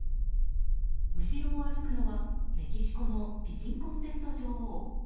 後ろを歩くのはメキシコの美人コンテスト女王。